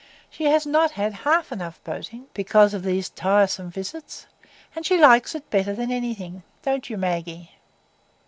She has not had half enough boating because of these tiresome visits, and she likes it better than anything. Don't you, Maggie?"